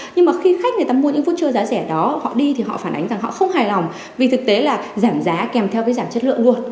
nhưng mà khi khách người ta mua những phút trưa giá rẻ đó họ đi thì họ phản ánh rằng họ không hài lòng vì thực tế là giảm giá kèm theo cái giảm chất lượng luôn